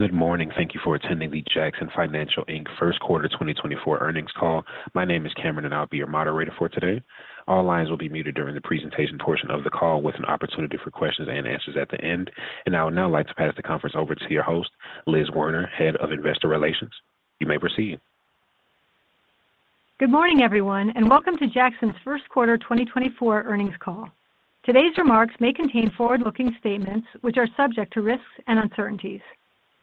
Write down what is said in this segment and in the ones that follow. Good morning. Thank you for attending the Jackson Financial, Inc. first quarter 2024 earnings call. My name is Cameron, and I'll be your moderator for today. All lines will be muted during the presentation portion of the call with an opportunity for questions and answers at the end. I would now like to pass the conference over to your host, Liz Werner, Head of Investor Relations. You may proceed. Good morning, everyone, and welcome to Jackson's first quarter 2024 earnings call. Today's remarks may contain forward-looking statements which are subject to risks and uncertainties.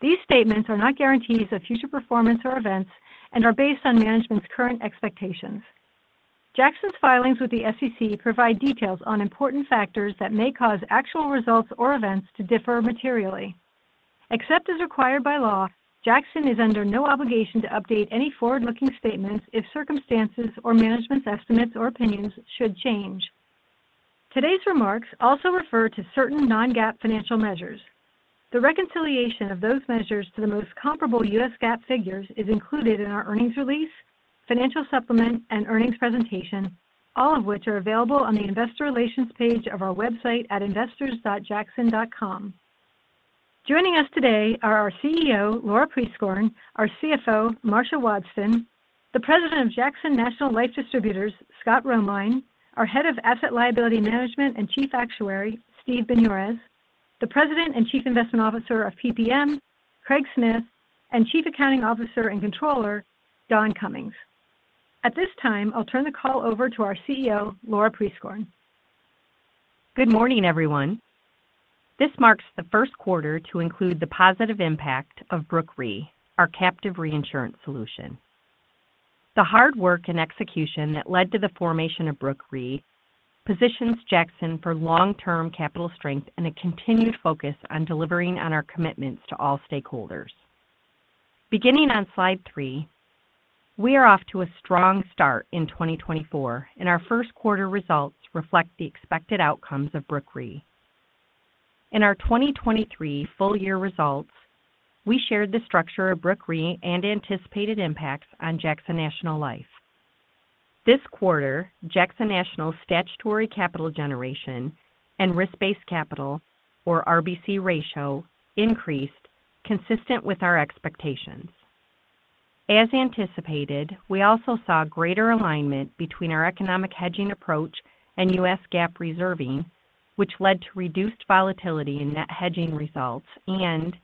These statements are not guarantees of future performance or events and are based on management's current expectations. Jackson's filings with the SEC provide details on important factors that may cause actual results or events to differ materially. Except as required by law, Jackson is under no obligation to update any forward-looking statements if circumstances or management's estimates or opinions should change. Today's remarks also refer to certain non-GAAP financial measures. The reconciliation of those measures to the most comparable U.S. GAAP figures is included in our earnings release, financial supplement, and earnings presentation, all of which are available on the investor relations page of our website at investors.jackson.com. Joining us today are our CEO, Laura Prieskorn, our CFO, Marcia Wadsten, the President of Jackson National Life Distributors, Scott Romine, our Head of Asset Liability Management and Chief Actuary, Steve Binioris, the President and Chief Investment Officer of PPM, Craig Smith, and Chief Accounting Officer and Controller, Don Cummings. At this time, I'll turn the call over to our CEO, Laura Prieskorn. Good morning, everyone. This marks the first quarter to include the positive impact Brooke Re, our captive reinsurance solution. The hard work and execution that led to the formation Brooke Re positions Jackson for long-term capital strength and a continued focus on delivering on our commitments to all stakeholders. Beginning on slide three, we are off to a strong start in 2024, and our first quarter results reflect the expected outcomes Brooke Re. In our 2023 full-year results, we shared the structure Brooke Re and anticipated impacts on Jackson National Life. This quarter, Jackson National's statutory capital generation and risk-based capital, or RBC ratio, increased, consistent with our expectations. As anticipated, we also saw greater alignment between our economic hedging approach and US GAAP reserving, which led to reduced volatility in net hedging results and,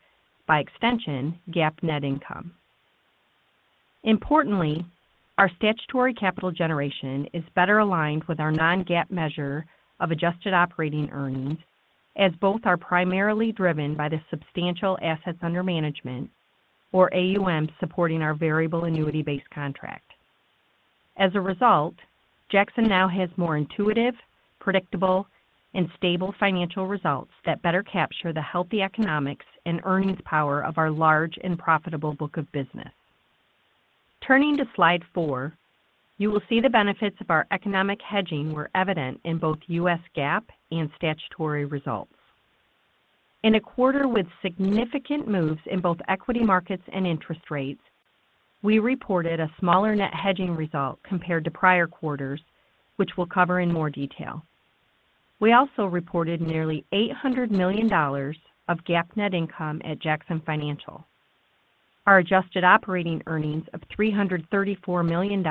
by extension, GAAP net income. Importantly, our statutory capital generation is better aligned with our non-GAAP measure of adjusted operating earnings, as both are primarily driven by the substantial assets under management, or AUM, supporting our variable annuity-based contract. As a result, Jackson now has more intuitive, predictable, and stable financial results that better capture the healthy economics and earnings power of our large and profitable book of business. Turning to slide four, you will see the benefits of our economic hedging were evident in both US GAAP and statutory results. In a quarter with significant moves in both equity markets and interest rates, we reported a smaller net hedging result compared to prior quarters, which we'll cover in more detail. We also reported nearly $800 million of GAAP net income at Jackson Financial. Our adjusted operating earnings of $334 million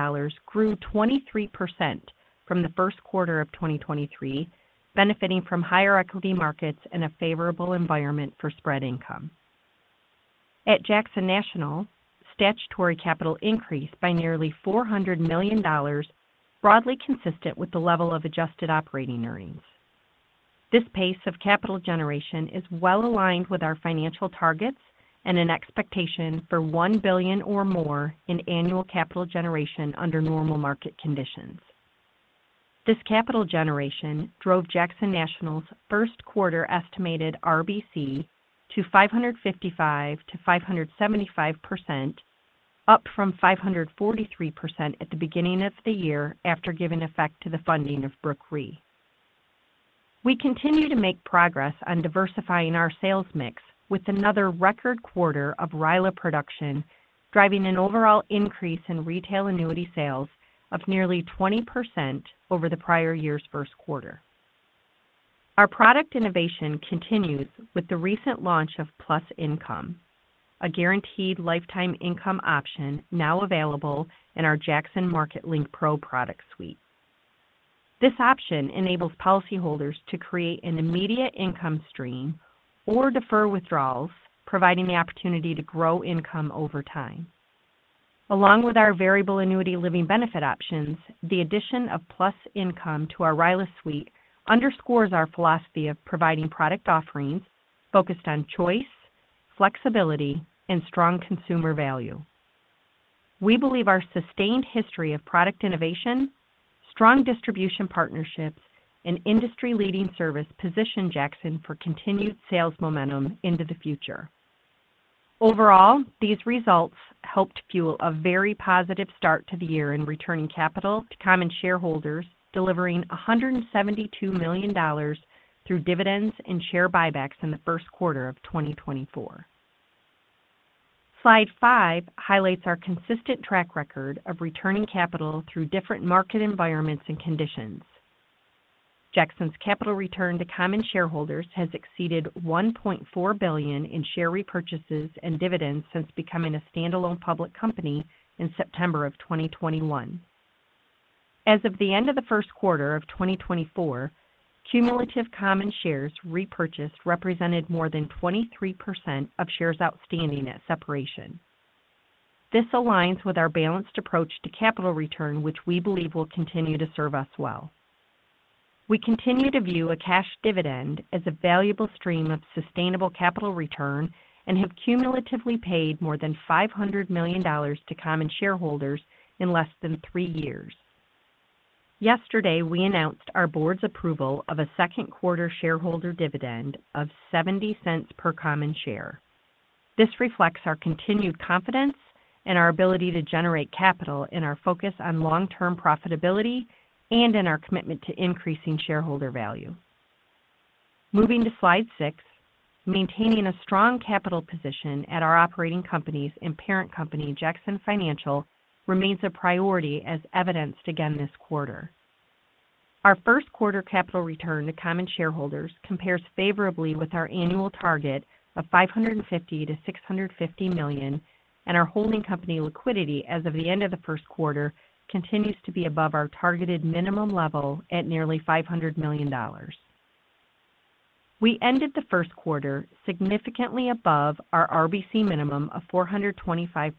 grew 23% from the first quarter of 2023, benefiting from higher equity markets and a favorable environment for spread income. At Jackson National, statutory capital increased by nearly $400 million, broadly consistent with the level of adjusted operating earnings. This pace of capital generation is well aligned with our financial targets and an expectation for $1 billion or more in annual capital generation under normal market conditions. This capital generation drove Jackson National's first quarter estimated RBC to 555%-575%, up from 543% at the beginning of the year after giving effect to the funding Brooke Re. We continue to make progress on diversifying our sales mix with another record quarter of RILA production, driving an overall increase in retail annuity sales of nearly 20% over the prior year's first quarter. Our product innovation continues with the recent launch of Plus Income, a guaranteed lifetime income option now available in our Jackson Market Link Pro product suite. This option enables policyholders to create an immediate income stream or defer withdrawals, providing the opportunity to grow income over time. Along with our variable annuity living benefit options, the addition of Plus Income to our RILA suite underscores our philosophy of providing product offerings focused on choice, flexibility, and strong consumer value. We believe our sustained history of product innovation, strong distribution partnerships, and industry-leading service position Jackson for continued sales momentum into the future. Overall, these results helped fuel a very positive start to the year in returning capital to common shareholders, delivering $172 million through dividends and share buybacks in the first quarter of 2024. Slide five highlights our consistent track record of returning capital through different market environments and conditions. Jackson's capital return to common shareholders has exceeded $1.4 billion in share repurchases and dividends since becoming a standalone public company in September of 2021. As of the end of the first quarter of 2024, cumulative common shares repurchased represented more than 23% of shares outstanding at separation. This aligns with our balanced approach to capital return, which we believe will continue to serve us well. We continue to view a cash dividend as a valuable stream of sustainable capital return and have cumulatively paid more than $500 million to common shareholders in less than three years. Yesterday, we announced our board's approval of a second quarter shareholder dividend of $0.70 per common share. This reflects our continued confidence in our ability to generate capital and our focus on long-term profitability and in our commitment to increasing shareholder value. Moving to slide six, maintaining a strong capital position at our operating companies' and parent company, Jackson Financial, remains a priority as evidenced again this quarter. Our first quarter capital return to common shareholders compares favorably with our annual target of $550-$650 million, and our holding company liquidity as of the end of the first quarter continues to be above our targeted minimum level at nearly $500 million. We ended the first quarter significantly above our RBC minimum of 425%.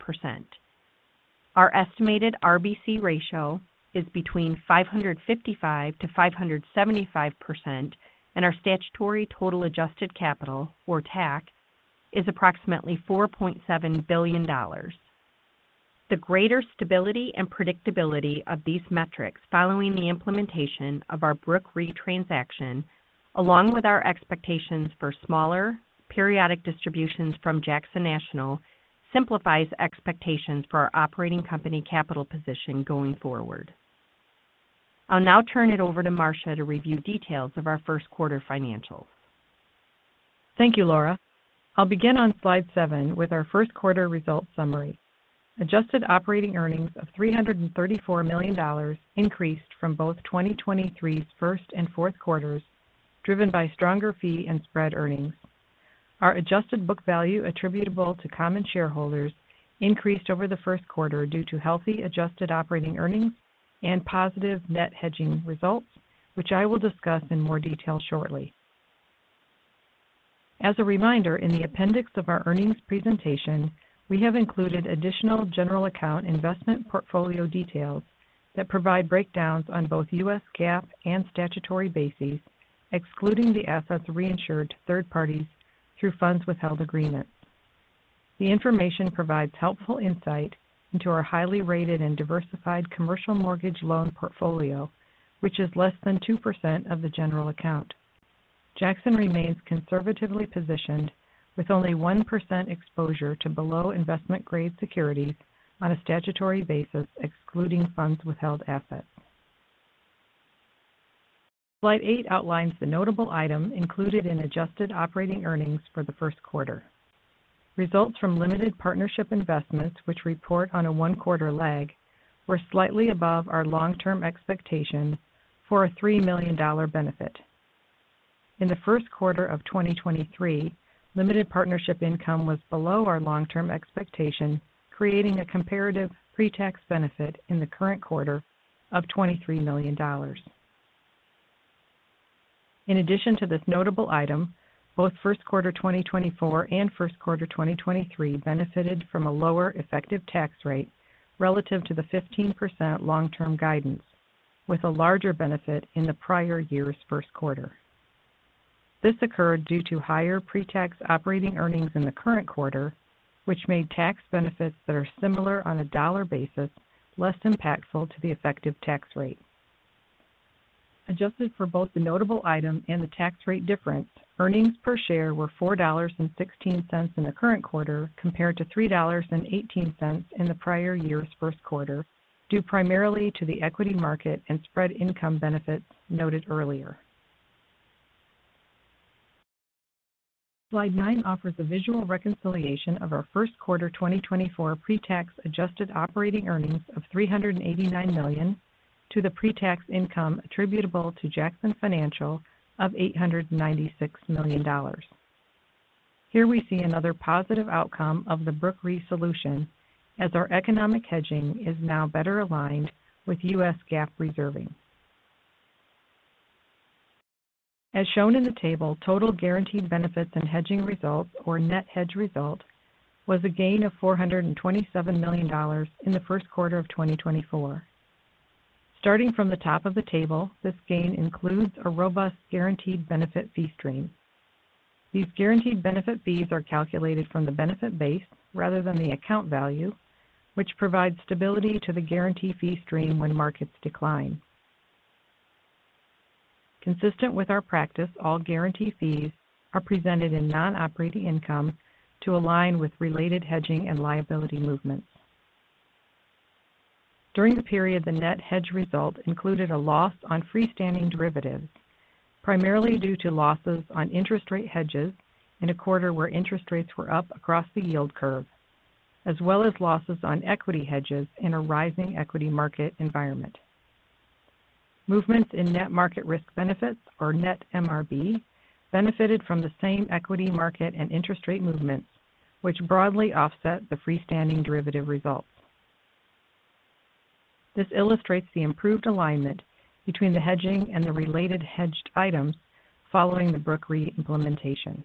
Our estimated RBC ratio is between 555%-575%, and our statutory total adjusted capital, or TAC, is approximately $4.7 billion. The greater stability and predictability of these metrics following the implementation of Brooke Re transaction, along with our expectations for smaller periodic distributions from Jackson National, simplifies expectations for our operating company capital position going forward. I'll now turn it over to Marcia to review details of our first quarter financials. Thank you, Laura. I'll begin on slide seven with our first quarter results summary. Adjusted operating earnings of $334 million increased from both 2023's first and fourth quarters, driven by stronger fee and spread earnings. Our adjusted book value attributable to common shareholders increased over the first quarter due to healthy adjusted operating earnings and positive net hedging results, which I will discuss in more detail shortly. As a reminder, in the appendix of our earnings presentation, we have included additional general account investment portfolio details that provide breakdowns on both US GAAP and statutory bases, excluding the assets reinsured to third parties through funds withheld agreements. The information provides helpful insight into our highly rated and diversified commercial mortgage loan portfolio, which is less than 2% of the general account. Jackson remains conservatively positioned, with only 1% exposure to below-investment-grade securities on a statutory basis, excluding funds withheld assets. Slide eight outlines the notable item included in adjusted operating earnings for the first quarter. Results from limited partnership investments, which report on a one-quarter lag, were slightly above our long-term expectation for a $3 million benefit. In the first quarter of 2023, limited partnership income was below our long-term expectation, creating a comparative pre-tax benefit in the current quarter of $23 million. In addition to this notable item, both first quarter 2024 and first quarter 2023 benefited from a lower effective tax rate relative to the 15% long-term guidance, with a larger benefit in the prior year's first quarter. This occurred due to higher pre-tax operating earnings in the current quarter, which made tax benefits that are similar on a dollar basis less impactful to the effective tax rate. Adjusted for both the notable item and the tax rate difference, earnings per share were $4.16 in the current quarter compared to $3.18 in the prior year's first quarter, due primarily to the equity market and spread income benefits noted earlier. Slide nine offers a visual reconciliation of our first quarter 2024 pre-tax adjusted operating earnings of $389 million to the pre-tax income attributable to Jackson Financial of $896 million. Here we see another positive outcome of Brooke Re solution, as our economic hedging is now better aligned with US GAAP reserving. As shown in the table, total guaranteed benefits and hedging results, or net hedge result, was a gain of $427 million in the first quarter of 2024. Starting from the top of the table, this gain includes a robust guaranteed benefit fee stream. These guaranteed benefit fees are calculated from the benefit base rather than the account value, which provides stability to the guarantee fee stream when markets decline. Consistent with our practice, all guarantee fees are presented in non-operating income to align with related hedging and liability movements. During the period, the net hedge result included a loss on freestanding derivatives, primarily due to losses on interest rate hedges in a quarter where interest rates were up across the yield curve, as well as losses on equity hedges in a rising equity market environment. Movements in net market risk benefits, or net MRB, benefited from the same equity market and interest rate movements, which broadly offset the freestanding derivative results. This illustrates the improved alignment between the hedging and the related hedged items following Brooke Re implementation.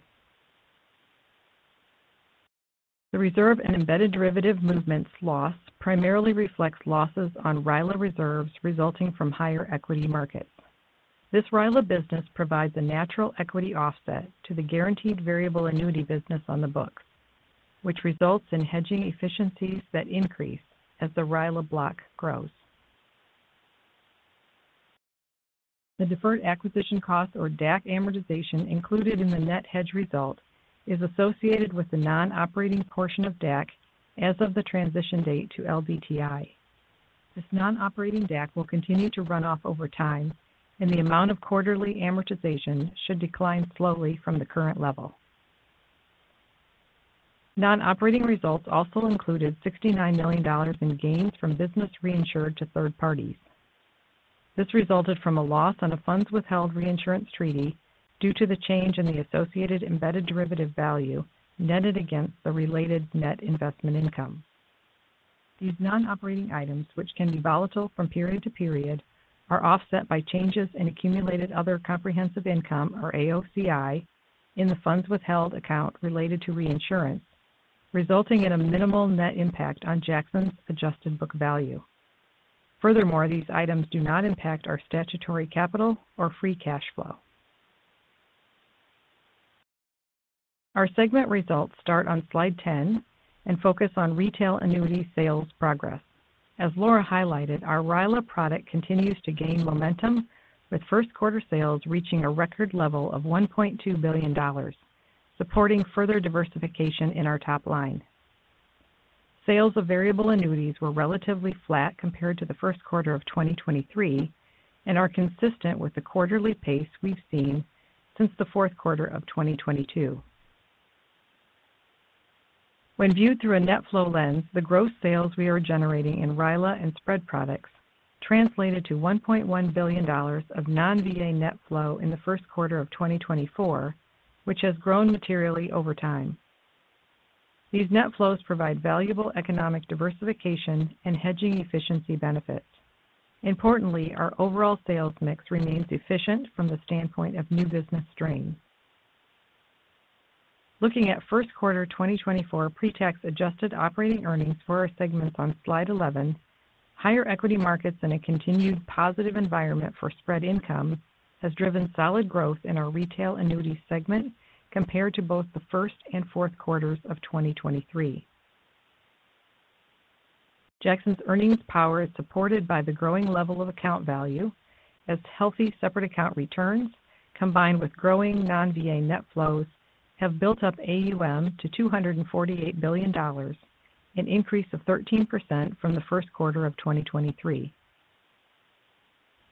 The reserve and embedded derivative movements' loss primarily reflects losses on RILA reserves resulting from higher equity markets. This RILA business provides a natural equity offset to the guaranteed variable annuity business on the books, which results in hedging efficiencies that increase as the RILA block grows. The deferred acquisition cost, or DAC amortization, included in the net hedge result is associated with the non-operating portion of DAC as of the transition date to LDTI. This non-operating DAC will continue to run off over time, and the amount of quarterly amortization should decline slowly from the current level. Non-operating results also included $69 million in gains from business reinsured to third parties. This resulted from a loss on a funds withheld reinsurance treaty due to the change in the associated embedded derivative value netted against the related net investment income. These non-operating items, which can be volatile from period to period, are offset by changes in accumulated other comprehensive income, or AOCI, in the funds withheld account related to reinsurance, resulting in a minimal net impact on Jackson's adjusted book value. Furthermore, these items do not impact our statutory capital or free cash flow. Our segment results start on slide 10 and focus on retail annuity sales progress. As Laura highlighted, our RILA product continues to gain momentum, with first quarter sales reaching a record level of $1.2 billion, supporting further diversification in our top line. Sales of variable annuities were relatively flat compared to the first quarter of 2023 and are consistent with the quarterly pace we've seen since the fourth quarter of 2022. When viewed through a net flow lens, the gross sales we are generating in RILA and spread products translated to $1.1 billion of non-VA net flow in the first quarter of 2024, which has grown materially over time. These net flows provide valuable economic diversification and hedging efficiency benefits. Importantly, our overall sales mix remains efficient from the standpoint of new business stream. Looking at first quarter 2024 pre-tax adjusted operating earnings for our segments on slide 11, higher equity markets and a continued positive environment for spread income have driven solid growth in our retail annuity segment compared to both the first and fourth quarters of 2023. Jackson's earnings power is supported by the growing level of account value, as healthy separate account returns combined with growing non-VA net flows have built up AUM to $248 billion, an increase of 13% from the first quarter of 2023.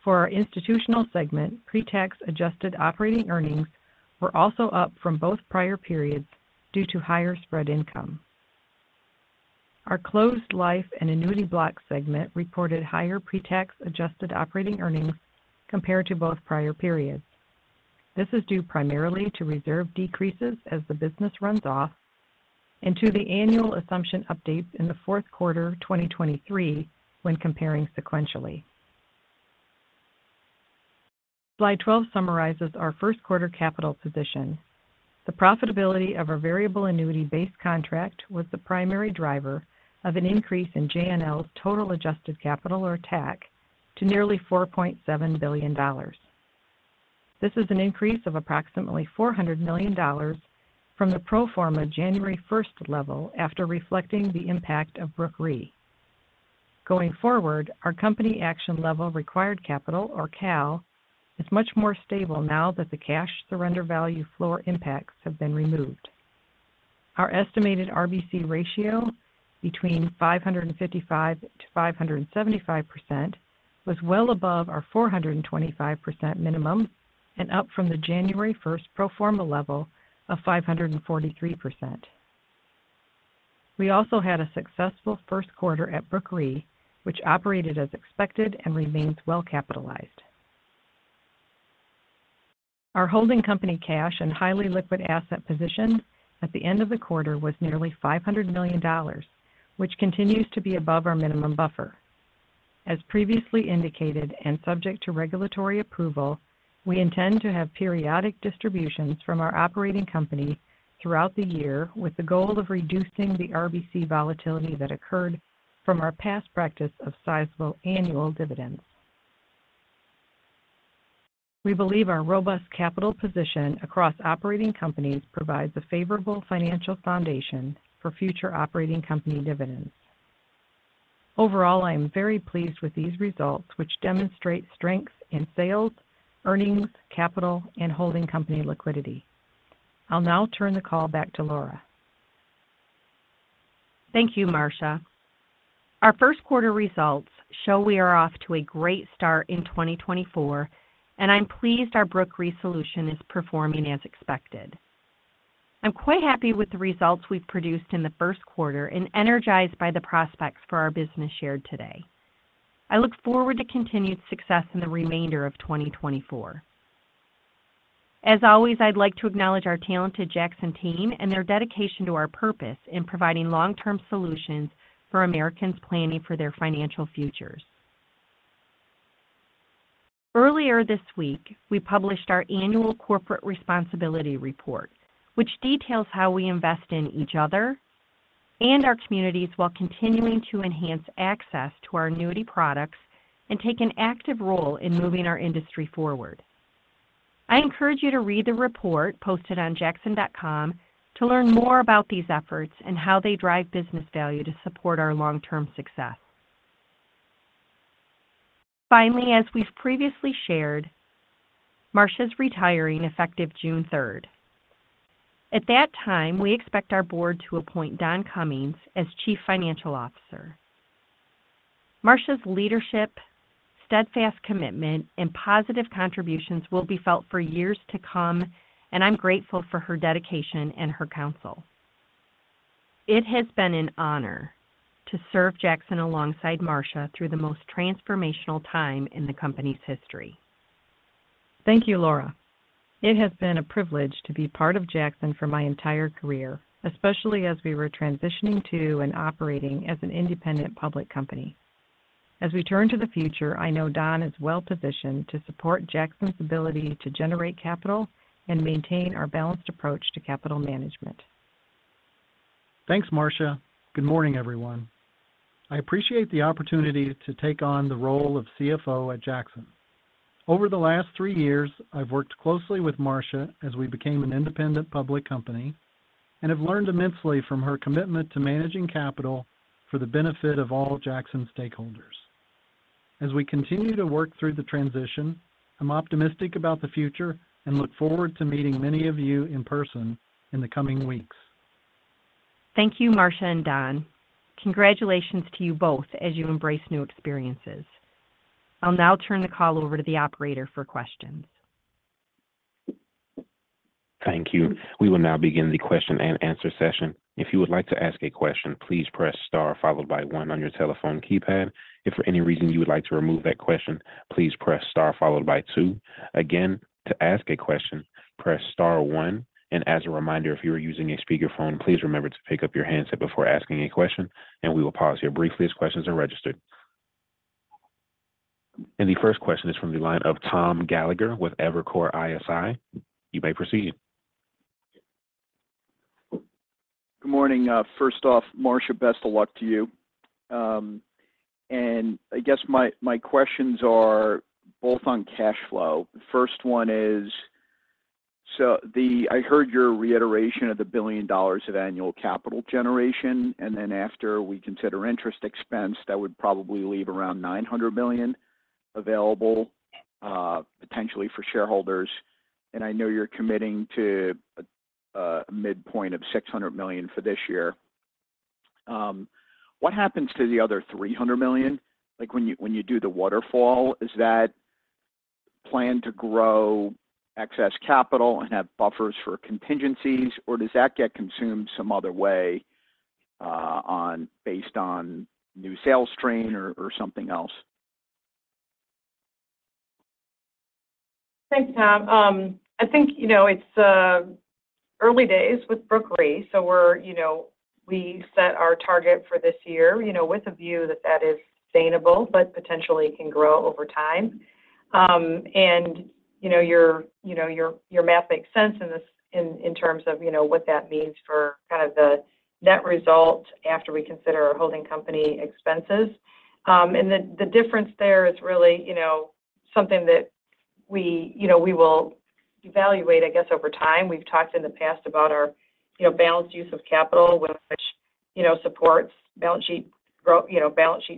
For our institutional segment, pre-tax adjusted operating earnings were also up from both prior periods due to higher spread income. Our closed life and annuity block segment reported higher pre-tax adjusted operating earnings compared to both prior periods. This is due primarily to reserve decreases as the business runs off and to the annual assumption updates in the fourth quarter 2023 when comparing sequentially. Slide 12 summarizes our first quarter capital position. The profitability of our variable annuity-based contract was the primary driver of an increase in JNL's total adjusted capital, or TAC, to nearly $4.7 billion. This is an increase of approximately $400 million from the pro forma January 1st level after reflecting the impact Brooke Re. Going forward, our company action level required capital, or CAL, is much more stable now that the cash surrender value floor impacts have been removed. Our estimated RBC ratio between 555%-575% was well above our 425% minimum and up from the January 1st pro forma level of 543%. We also had a successful first quarter Brooke Re, which operated as expected and remains well capitalized. Our holding company cash and highly liquid asset position at the end of the quarter was nearly $500 million, which continues to be above our minimum buffer. As previously indicated and subject to regulatory approval, we intend to have periodic distributions from our operating company throughout the year with the goal of reducing the RBC volatility that occurred from our past practice of sizable annual dividends. We believe our robust capital position across operating companies provides a favorable financial foundation for future operating company dividends. Overall, I am very pleased with these results, which demonstrate strengths in sales, earnings, capital, and holding company liquidity. I'll now turn the call back to Laura. Thank you, Marcia. Our first quarter results show we are off to a great start in 2024, and I'm pleased Brooke Re solution is performing as expected. I'm quite happy with the results we've produced in the first quarter and energized by the prospects for our business shared today. I look forward to continued success in the remainder of 2024. As always, I'd like to acknowledge our talented Jackson team and their dedication to our purpose in providing long-term solutions for Americans planning for their financial futures. Earlier this week, we published our annual corporate responsibility report, which details how we invest in each other and our communities while continuing to enhance access to our annuity products and take an active role in moving our industry forward. I encourage you to read the report posted on Jackson.com to learn more about these efforts and how they drive business value to support our long-term success. Finally, as we've previously shared, Marcia's retiring effective June 3rd. At that time, we expect our board to appoint Don Cummings as Chief Financial Officer. Marcia's leadership, steadfast commitment, and positive contributions will be felt for years to come, and I'm grateful for her dedication and her counsel. It has been an honor to serve Jackson alongside Marcia through the most transformational time in the company's history. Thank you, Laura. It has been a privilege to be part of Jackson for my entire career, especially as we were transitioning to and operating as an independent public company. As we turn to the future, I know Don is well positioned to support Jackson's ability to generate capital and maintain our balanced approach to capital management. Thanks, Marcia. Good morning, everyone. I appreciate the opportunity to take on the role of CFO at Jackson. Over the last three years, I've worked closely with Marcia as we became an independent public company and have learned immensely from her commitment to managing capital for the benefit of all Jackson stakeholders. As we continue to work through the transition, I'm optimistic about the future and look forward to meeting many of you in person in the coming weeks. Thank you, Marcia and Don. Congratulations to you both as you embrace new experiences. I'll now turn the call over to the operator for questions. Thank you. We will now begin the question and answer session. If you would like to ask a question, please press star followed by one on your telephone keypad. If for any reason you would like to remove that question, please press star followed by two. Again, to ask a question, press star one. And as a reminder, if you are using a speakerphone, please remember to pick up your handset before asking a question, and we will pause here briefly as questions are registered. And the first question is from the line of Tom Gallagher with Evercore ISI. You may proceed. Good morning. First off, Marcia, best of luck to you. And I guess my questions are both on cash flow. The first one is, so I heard your reiteration of the $1 billion of annual capital generation, and then after we consider interest expense, that would probably leave around $900 million available potentially for shareholders. And I know you're committing to a midpoint of $600 million for this year. What happens to the other $300 million? When you do the waterfall, is that planned to grow excess capital and have buffers for contingencies, or does that get consumed some other way based on new sales stream or something else? Thanks, Tom. I think it's early days Brooke Re, so we set our target for this year with a view that that is sustainable but potentially can grow over time. Your math makes sense in terms of what that means for kind of the net result after we consider our holding company expenses. The difference there is really something that we will evaluate, I guess, over time. We've talked in the past about our balanced use of capital, which supports balance sheet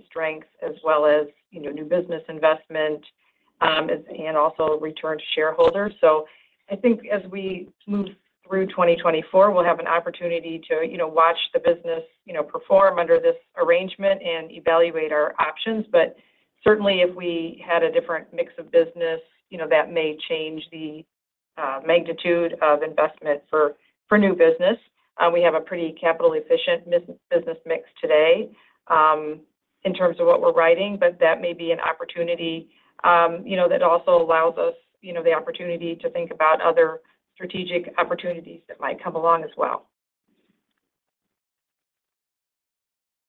strength as well as new business investment and also return to shareholders. I think as we move through 2024, we'll have an opportunity to watch the business perform under this arrangement and evaluate our options. Certainly, if we had a different mix of business, that may change the magnitude of investment for new business. We have a pretty capital-efficient business mix today in terms of what we're writing, but that may be an opportunity that also allows us the opportunity to think about other strategic opportunities that might come along as well.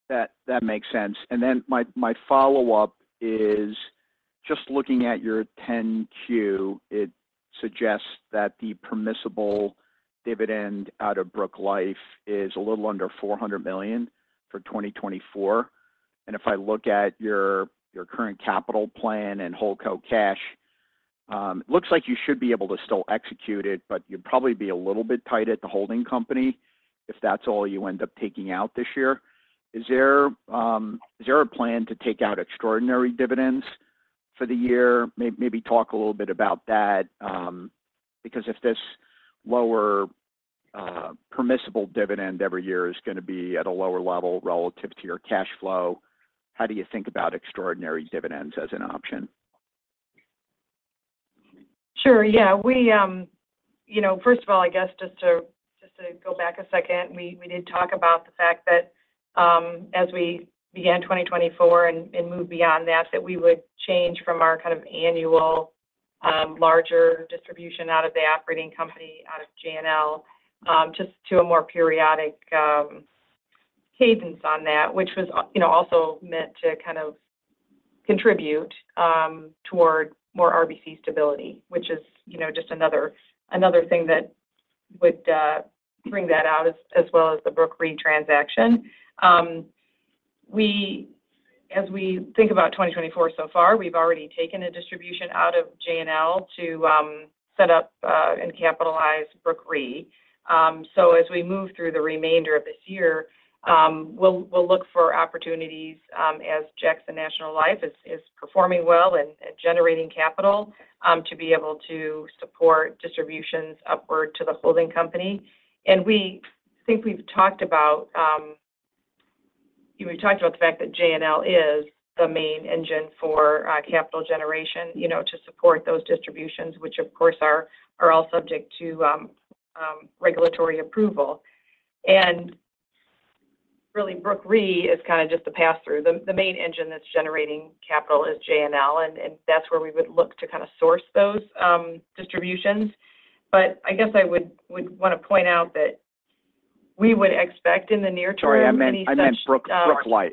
That makes sense. Then my follow-up is just looking at your 10-Q, it suggests that the permissible dividend out of Brooke Life is a little under $400 million for 2024. If I look at your current capital plan and holding co-cash, it looks like you should be able to still execute it, but you'd probably be a little bit tight at the holding company if that's all you end up taking out this year. Is there a plan to take out extraordinary dividends for the year? Maybe talk a little bit about that. Because if this lower permissible dividend every year is going to be at a lower level relative to your cash flow, how do you think about extraordinary dividends as an option? Sure. Yeah. First of all, I guess just to go back a second, we did talk about the fact that as we began 2024 and moved beyond that, that we would change from our kind of annual larger distribution out of the operating company, out of JNL, just to a more periodic cadence on that, which was also meant to kind of contribute toward more RBC stability, which is just another thing that would bring that out as well as Brooke Re transaction. As we think about 2024 so far, we've already taken a distribution out of JNL to set up and Brooke Re. So as we move through the remainder of this year, we'll look for opportunities as Jackson National Life is performing well and generating capital to be able to support distributions upward to the holding company. And we think we've talked about the fact that JNL is the main engine for capital generation to support those distributions, which, of course, are all subject to regulatory approval. And Brooke Re is kind of just the pass-through. The main engine that's generating capital is JNL, and that's where we would look to kind of source those distributions. But I guess I would want to point out that we would expect in the near term. Sorry. I meant Brooke Life.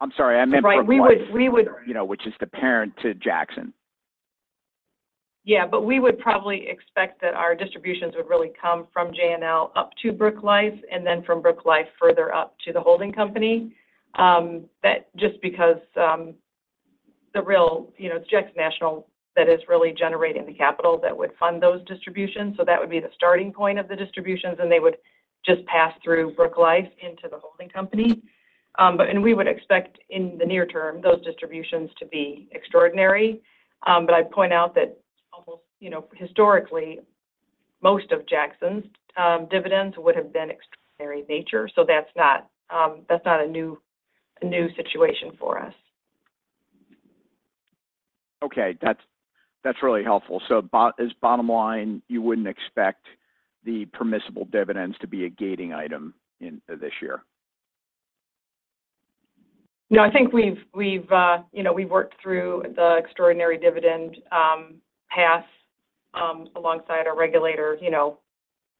I'm sorry. I meant Brooke Life. Right. We would. Which is the parent to Jackson? Yeah. But we would probably expect that our distributions would really come from JNL up to Brooke Life and then from Brooke Life further up to the holding company. That's just because the real—it's Jackson National that is really generating the capital that would fund those distributions. So that would be the starting point of the distributions, and they would just pass through Brooke Life into the holding company. And we would expect in the near term, those distributions to be extraordinary. But I'd point out that almost historically, most of Jackson's dividends would have been extraordinary in nature. So that's not a new situation for us. Okay. That's really helpful. So is bottom line, you wouldn't expect the permissible dividends to be a gating item this year? No. I think we've worked through the extraordinary dividend pass alongside our regulator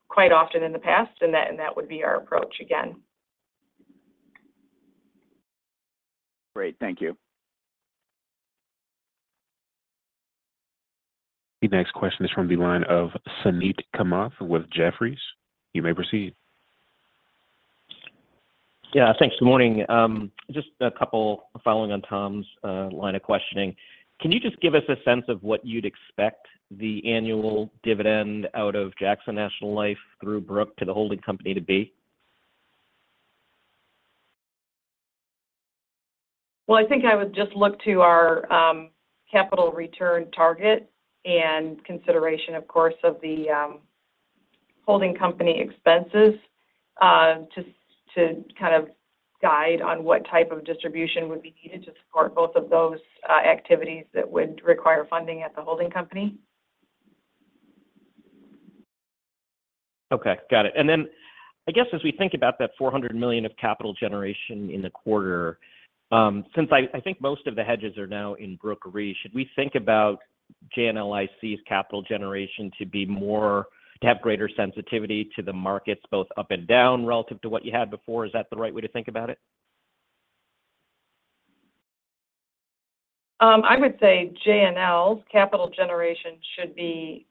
quite often in the past, and that would be our approach again. Great. Thank you. The next question is from the line of Suneet Kamath with Jefferies. You may proceed. Yeah. Thanks. Good morning. Just a couple following on Tom's line of questioning. Can you just give us a sense of what you'd expect the annual dividend out of Jackson National Life through Brooke to the holding company to be? Well, I think I would just look to our capital return target and consideration, of course, of the holding company expenses to kind of guide on what type of distribution would be needed to support both of those activities that would require funding at the holding company. Okay. Got it. And then I guess as we think about that $400 million of capital generation in the quarter, since I think most of the hedges are now Brooke Re, should we think about JNLIC's capital generation to be more to have greater sensitivity to the markets both up and down relative to what you had before? Is that the right way to think about it? I would say JNL's capital generation should be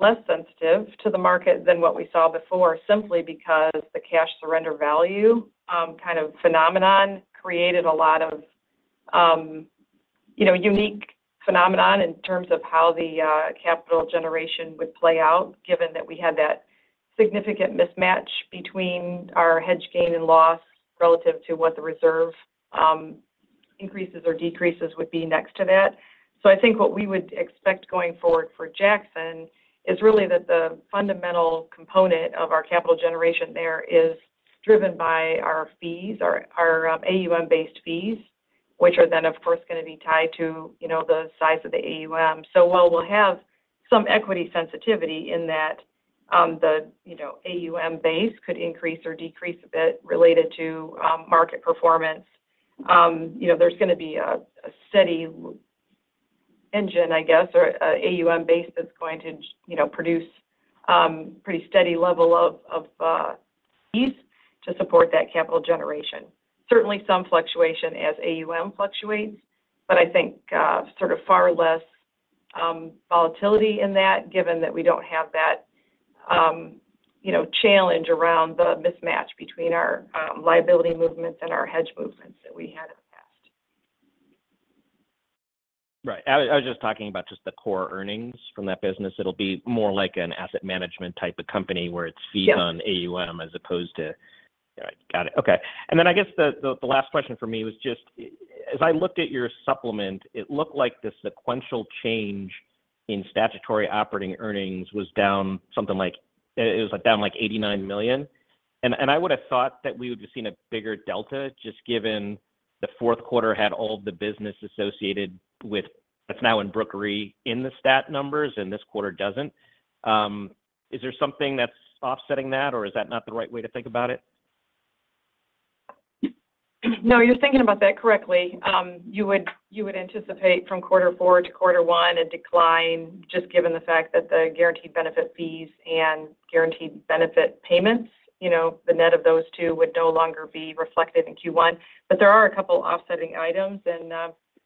less sensitive to the market than what we saw before simply because the cash surrender value kind of phenomenon created a lot of unique phenomenon in terms of how the capital generation would play out given that we had that significant mismatch between our hedge gain and loss relative to what the reserve increases or decreases would be next to that. So I think what we would expect going forward for Jackson is really that the fundamental component of our capital generation there is driven by our fees, our AUM-based fees, which are then, of course, going to be tied to the size of the AUM. So while we'll have some equity sensitivity in that, the AUM base could increase or decrease a bit related to market performance. There's going to be a steady engine, I guess, or AUM base that's going to produce a pretty steady level of fees to support that capital generation. Certainly, some fluctuation as AUM fluctuates, but I think sort of far less volatility in that given that we don't have that challenge around the mismatch between our liability movements and our hedge movements that we had in the past. Right. I was just talking about just the core earnings from that business. It'll be more like an asset management type of company where it's fees on AUM as opposed to. Yeah. All right. Got it. Okay. And then I guess the last question for me was just as I looked at your supplement, it looked like the sequential change in statutory operating earnings was down something like it was down like $89 million. And I would have thought that we would have seen a bigger delta just given the fourth quarter had all of the business associated with that's now Brooke Re in the stat numbers, and this quarter doesn't. Is there something that's offsetting that, or is that not the right way to think about it? No. You're thinking about that correctly. You would anticipate from quarter four to quarter one a decline just given the fact that the guaranteed benefit fees and guaranteed benefit payments, the net of those two, would no longer be reflected in Q1. But there are a couple of offsetting items, and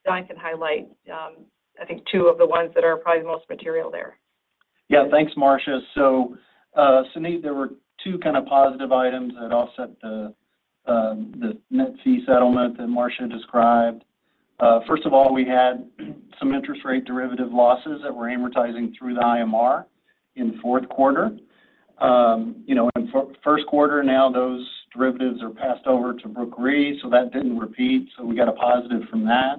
Don can highlight, I think, two of the ones that are probably the most material there. Yeah. Thanks, Marcia. So Suneet, there were two kind of positive items that offset the net fee settlement that Marcia described. First of all, we had some interest rate derivative losses that we're amortizing through the IMR in fourth quarter. In first quarter now, those derivatives are passed over Brooke Re, so that didn't repeat. So we got a positive from that.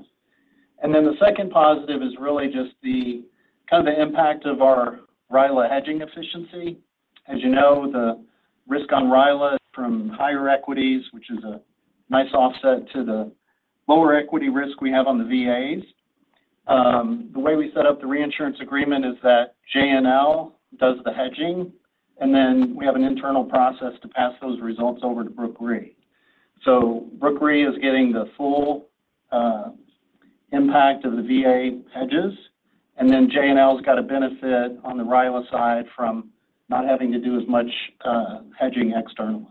And then the second positive is really just kind of the impact of our RILA hedging efficiency. As you know, the risk on RILA from higher equities, which is a nice offset to the lower equity risk we have on the VAs. The way we set up the reinsurance agreement is that JNL does the hedging, and then we have an internal process to pass those results over to Brooke Re. Brooke Re is getting the full impact of the VA hedges, and then JNL's got a benefit on the RILA side from not having to do as much hedging externally.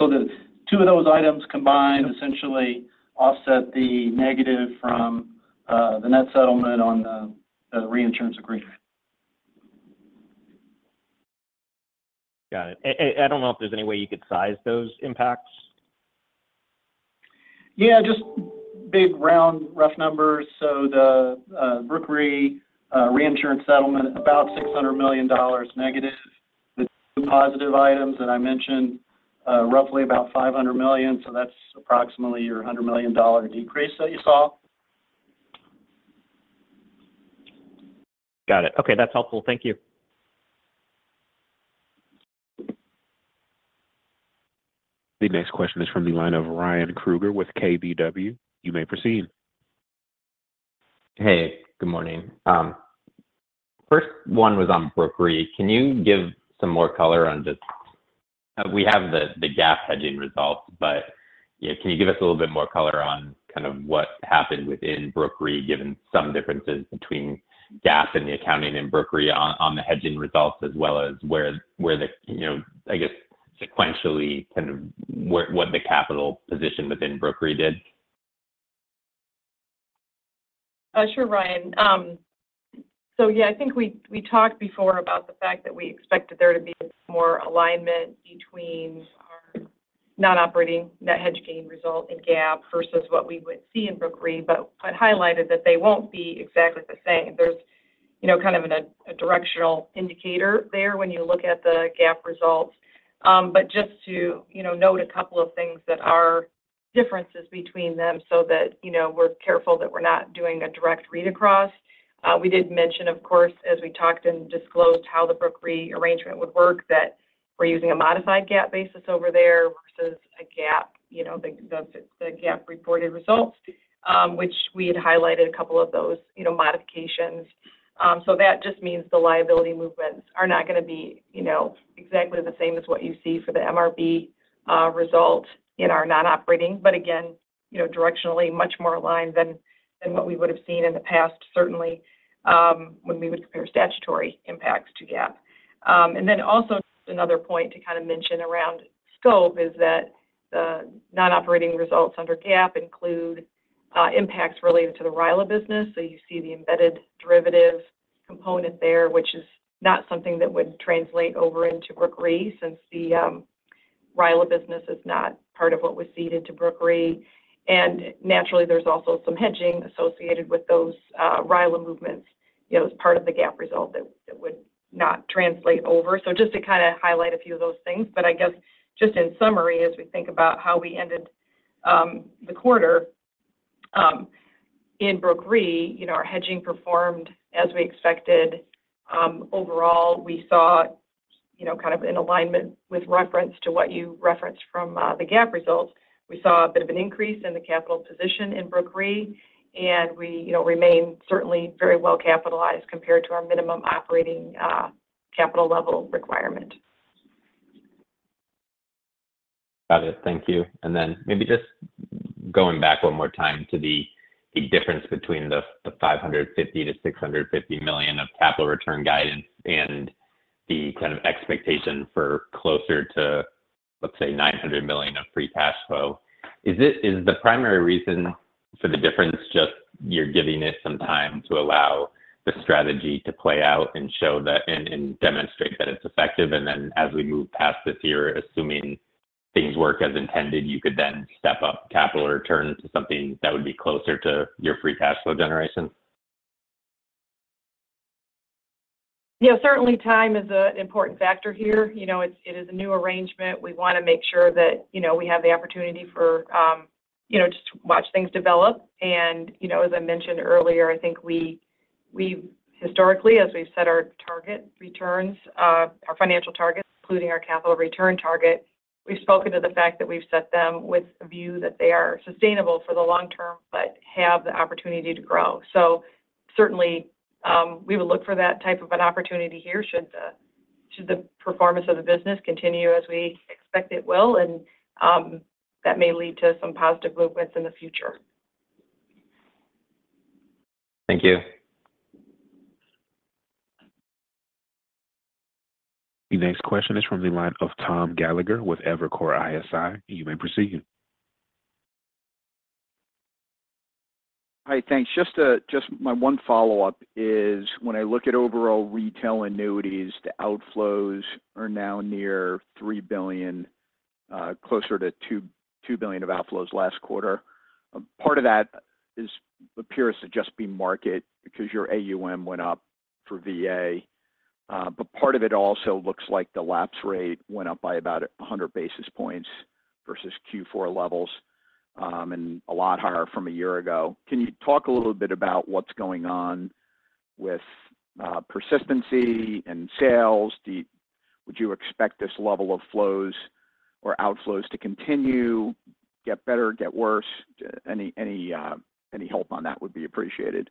So the two of those items combined essentially offset the negative from the net settlement on the reinsurance agreement. Got it. I don't know if there's any way you could size those impacts. Yeah. Just big, round, rough numbers. So Brooke Re reinsurance settlement, about -$600 million negative. The two positive items that I mentioned, roughly about $500 million. So that's approximately your $100 million decrease that you saw. Got it. Okay. That's helpful. Thank you. The next question is from the line of Ryan Kruger with KBW. You may proceed. Hey. Good morning. First one was Brooke Re. Can you give some more color on just we have the GAAP hedging results, but can you give us a little bit more color on kind of what happened Brooke Re given some differences between GAAP and the accounting Brooke Re on the hedging results as well as where the, I guess, sequentially kind of what the capital position Brooke Re did? Sure, Ryan. So yeah, I think we talked before about the fact that we expected there to be more alignment between our non-operating net hedge gain result in GAAP versus what we would see Brooke Re, but highlighted that they won't be exactly the same. There's kind of a directional indicator there when you look at the GAAP results. But just to note a couple of things that are differences between them so that we're careful that we're not doing a direct read across. We did mention, of course, as we talked and disclosed how Brooke Re arrangement would work, that we're using a modified GAAP basis over there versus the GAAP reported results, which we had highlighted a couple of those modifications. So that just means the liability movements are not going to be exactly the same as what you see for the MRB result in our non-operating, but again, directionally much more aligned than what we would have seen in the past, certainly, when we would compare statutory impacts to GAAP. And then also just another point to kind of mention around scope is that the non-operating results under GAAP include impacts related to the RILA business. So you see the embedded derivative component there, which is not something that would translate over Brooke Re since the RILA business is not part of what was ceded Brooke Re. And naturally, there's also some hedging associated with those RILA movements. It's part of the GAAP result that would not translate over. So just to kind of highlight a few of those things. But I guess just in summary, as we think about how we ended the quarter Brooke Re, our hedging performed as we expected. Overall, we saw kind of in alignment with reference to what you referenced from the GAAP results, we saw a bit of an increase in the capital position Brooke Re, and we remain certainly very well capitalized compared to our minimum operating capital level requirement. Got it. Thank you. And then maybe just going back one more time to the difference between the $550 million-$650 million of capital return guidance and the kind of expectation for closer to, let's say, $900 million of free cash flow. Is the primary reason for the difference just you're giving it some time to allow the strategy to play out and show that and demonstrate that it's effective? And then as we move past this year, assuming things work as intended, you could then step up capital or turn to something that would be closer to your free cash flow generation? Yeah. Certainly, time is an important factor here. It is a new arrangement. We want to make sure that we have the opportunity for just to watch things develop. And as I mentioned earlier, I think we've historically, as we've set our target returns, our financial target, including our capital return target, we've spoken to the fact that we've set them with a view that they are sustainable for the long term but have the opportunity to grow. So certainly, we would look for that type of an opportunity here should the performance of the business continue as we expect it will. And that may lead to some positive movements in the future. Thank you. The next question is from the line of Tom Gallagher with Evercore ISI. You may proceed. Hi. Thanks. Just my one follow-up is when I look at overall retail annuities, the outflows are now near $3 billion, closer to $2 billion of outflows last quarter. Part of that appears to just be market because your AUM went up for VA. But part of it also looks like the lapse rate went up by about 100 basis points versus Q4 levels and a lot higher from a year ago. Can you talk a little bit about what's going on with persistency and sales? Would you expect this level of flows or outflows to continue, get better, get worse? Any help on that would be appreciated.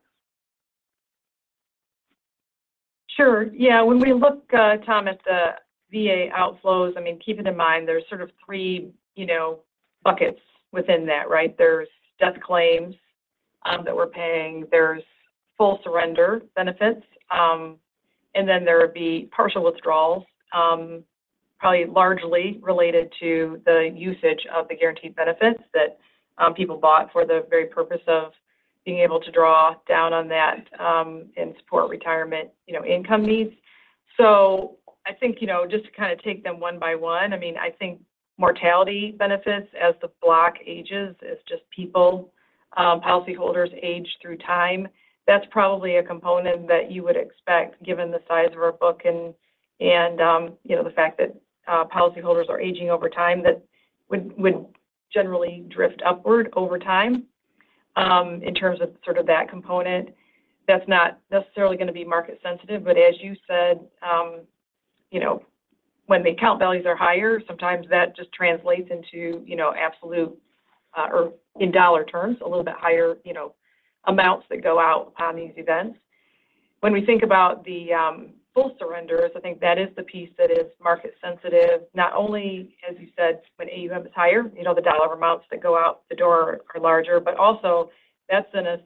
Sure. Yeah. When we look, Tom, at the VA outflows, I mean, keeping in mind there's sort of three buckets within that, right? There's death claims that we're paying. There's full surrender benefits. And then there would be partial withdrawals, probably largely related to the usage of the guaranteed benefits that people bought for the very purpose of being able to draw down on that and support retirement income needs. So I think just to kind of take them one by one, I mean, I think mortality benefits as the block ages is just people, policyholders age through time. That's probably a component that you would expect given the size of our book and the fact that policyholders are aging over time that would generally drift upward over time in terms of sort of that component. That's not necessarily going to be market-sensitive. But as you said, when the account values are higher, sometimes that just translates into absolute or in dollar terms, a little bit higher amounts that go out on these events. When we think about the full surrenders, I think that is the piece that is market-sensitive. Not only, as you said, when AUM is higher, the dollar amounts that go out the door are larger, but also that's an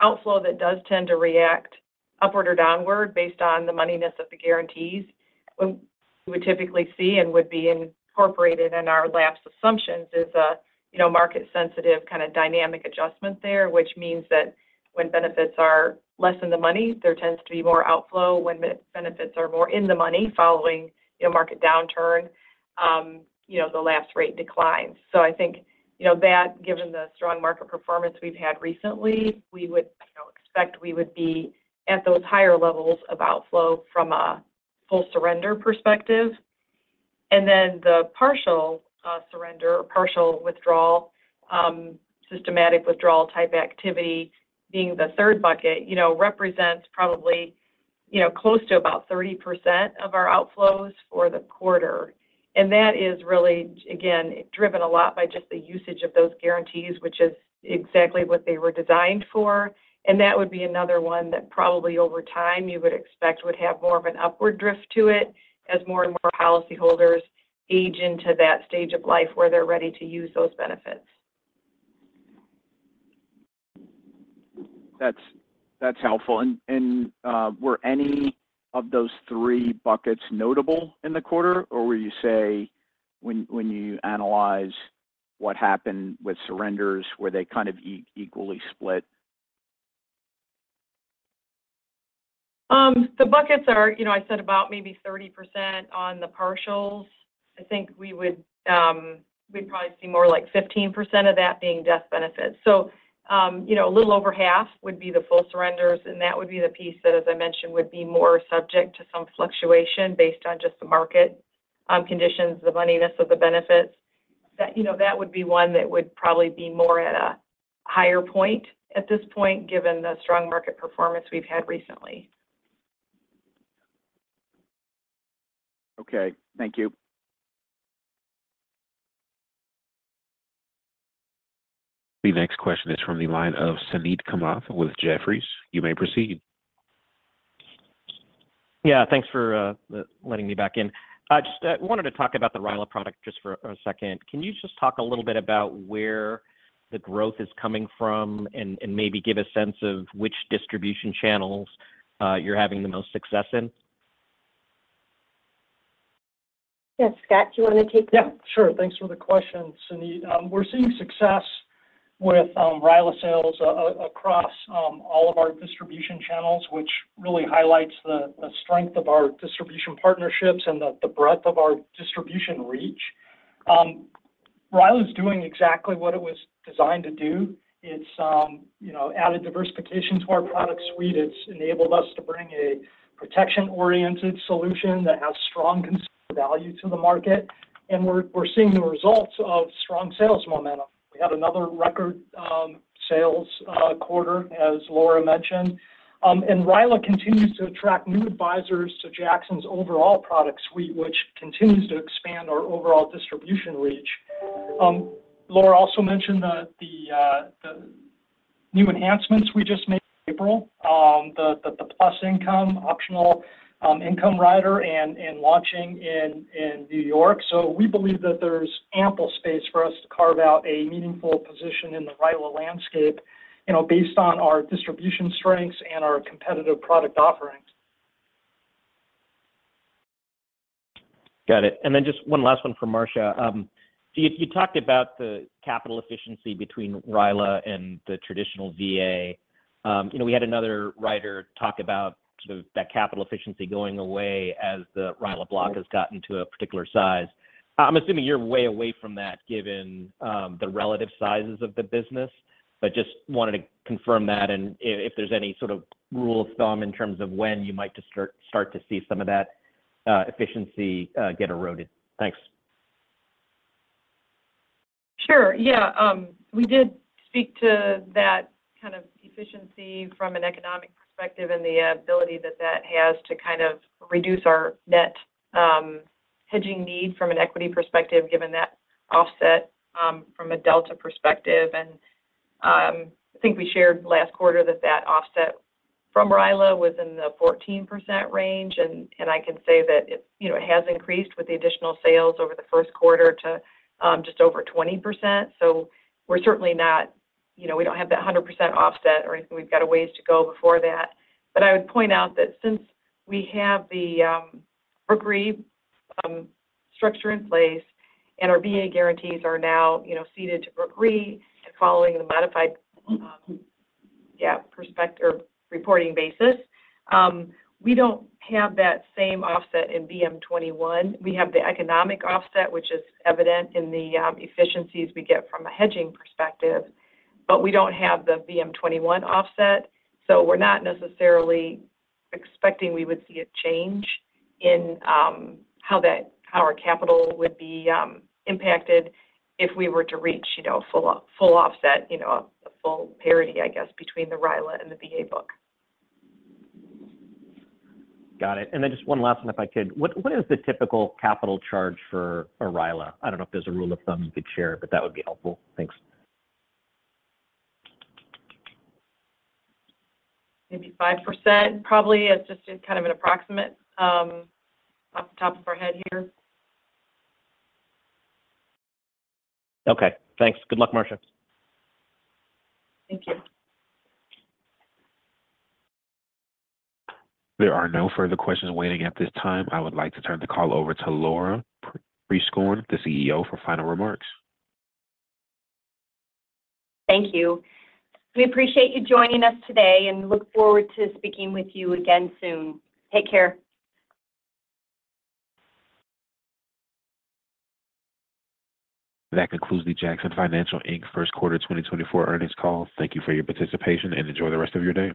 outflow that does tend to react upward or downward based on the moneyness of the guarantees. What we would typically see and would be incorporated in our lapse assumptions is a market-sensitive kind of dynamic adjustment there, which means that when benefits are less in the money, there tends to be more outflow. When benefits are more in the money following market downturn, the lapse rate declines. So I think that, given the strong market performance we've had recently, we would expect we would be at those higher levels of outflow from a full surrender perspective. Then the partial surrender or partial withdrawal, systematic withdrawal type activity being the third bucket, represents probably close to about 30% of our outflows for the quarter. That is really, again, driven a lot by just the usage of those guarantees, which is exactly what they were designed for. That would be another one that probably over time you would expect would have more of an upward drift to it as more and more policyholders age into that stage of life where they're ready to use those benefits. That's helpful. And were any of those three buckets notable in the quarter, or would you say when you analyze what happened with surrenders, were they kind of equally split? The buckets are, I said, about maybe 30% on the partials. I think we'd probably see more like 15% of that being death benefits. So a little over half would be the full surrenders, and that would be the piece that, as I mentioned, would be more subject to some fluctuation based on just the market conditions, the moneyness of the benefits. That would be one that would probably be more at a higher point at this point given the strong market performance we've had recently. Okay. Thank you. The next question is from the line of Suneet Kamath with Jefferies. You may proceed. Yeah. Thanks for letting me back in. I wanted to talk about the RILA product just for a second. Can you just talk a little bit about where the growth is coming from and maybe give a sense of which distribution channels you're having the most success in? Yeah. Scott, do you want to take the? Yeah. Sure. Thanks for the question, Suneet. We're seeing success with RILA sales across all of our distribution channels, which really highlights the strength of our distribution partnerships and the breadth of our distribution reach. RILA is doing exactly what it was designed to do. It's added diversification to our product suite. It's enabled us to bring a protection-oriented solution that has strong value to the market. And we're seeing the results of strong sales momentum. We had another record sales quarter, as Laura mentioned. And RILA continues to attract new advisors to Jackson's overall product suite, which continues to expand our overall distribution reach. Laura also mentioned the new enhancements we just made in April, the Plus Income optional income rider, and launching in New York. We believe that there's ample space for us to carve out a meaningful position in the RILA landscape based on our distribution strengths and our competitive product offerings. Got it. And then just one last one from Marcia. So you talked about the capital efficiency between RILA and the traditional VA. We had another writer talk about sort of that capital efficiency going away as the RILA block has gotten to a particular size. I'm assuming you're way away from that given the relative sizes of the business, but just wanted to confirm that and if there's any sort of rule of thumb in terms of when you might start to see some of that efficiency get eroded. Thanks. Sure. Yeah. We did speak to that kind of efficiency from an economic perspective and the ability that that has to kind of reduce our net hedging need from an equity perspective given that offset from a delta perspective. And I think we shared last quarter that that offset from RILA was in the 14% range. And I can say that it has increased with the additional sales over the first quarter to just over 20%. We're certainly not we don't have that 100% offset or anything. We've got ways to go before that. But I would point out that since we have Brooke Re structure in place and our VA guarantees are now ceded Brooke Re and following the modified, yeah, reporting basis, we don't have that same offset in VM-21. We have the economic offset, which is evident in the efficiencies we get from a hedging perspective. But we don't have the VM-21 offset. So we're not necessarily expecting we would see a change in how our capital would be impacted if we were to reach full offset, a full parity, I guess, between the RILA and the VA book. Got it. And then just one last one, if I could. What is the typical capital charge for a RILA? I don't know if there's a rule of thumb you could share, but that would be helpful. Thanks. Maybe 5%, probably, is just kind of an approximate off the top of our head here. Okay. Thanks. Good luck, Marcia. Thank you. There are no further questions waiting at this time. I would like to turn the call over to Laura Prieskorn, the CEO, for final remarks. Thank you. We appreciate you joining us today and look forward to speaking with you again soon. Take care. That concludes the Jackson Financial Inc First Quarter 2024 Earnings Call. Thank you for your participation and enjoy the rest of your day.